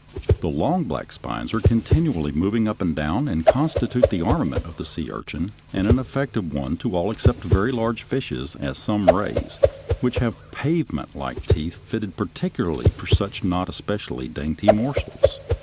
The long black spines are continually moving up and down, and constitute the armament of the sea urchin, and an effective one to all except very large fishes, as some rays, which have pavementlike teeth fitted particularly for such not especially dainty morsels.